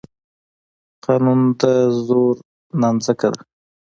قانون د زور نانځکه ده.